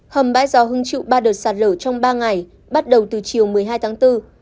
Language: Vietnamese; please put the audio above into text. hầm bãi gió hưng chịu ba đợt sạt lở trong ba ngày bắt đầu từ chiều một mươi hai tháng bốn